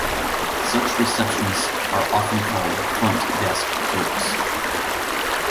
Such receptionists are often called "front desk clerks".